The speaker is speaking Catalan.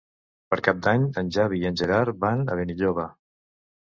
Per Cap d'Any en Xavi i en Gerard van a Benilloba.